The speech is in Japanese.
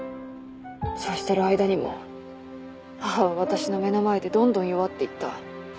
そうしてる間にも母は私の目の前でどんどん弱っていった。